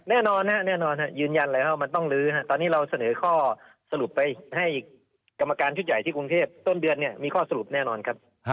แน่นอนแน่นอนยืนยันเลยว่ามันต้องลื้อตอนนี้เราเสนอข้อสรุปไปให้กรรมการชุดใหญ่ที่กรุงเทพต้นเดือนมีข้อสรุปแน่นอนครับ